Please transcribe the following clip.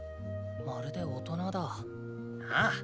まるで大人だ。ああ。